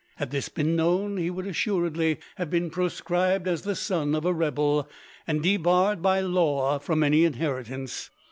Had this been known, he would assuredly have been proscribed as the son of a rebel, and debarred by law from any inheritance.